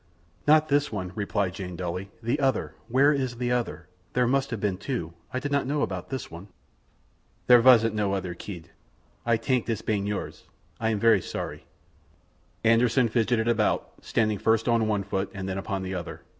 "Not this one," replied Jane dully. "The other. Where is the other? There must have been two. I did not know about this one." "There vasn't no other kid. Ay tank this ban yours. Ay am very sorry." Anderssen fidgeted about, standing first on one foot and then upon the other.